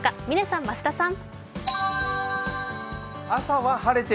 嶺さん、増田さん。